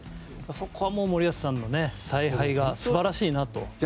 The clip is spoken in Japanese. そこはもう、森保さんの采配が素晴らしいなと。